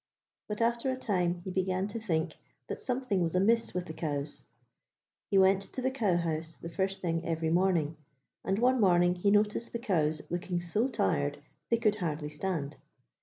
But after a time he began to think that something was amiss with the cows. He went to the cow house the first thing every morning, and one morning he noticed the cows looking so tired they could hardly stand.